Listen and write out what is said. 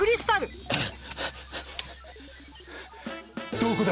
どこだ？